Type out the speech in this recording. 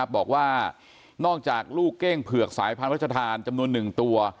บอกว่านอกจากลูกเก้งเผือกสายพันธทานจำนวน๑ตัว